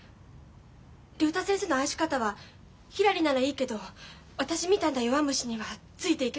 竜太先生の愛し方はひらりならいいけど私みたいな弱虫にはついていけません。